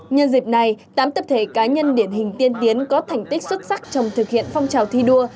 nhân dịp này tám tập thể cá nhân điển hình tiên tiến có thành tích xuất sắc trong thực hiện phong trào thi đua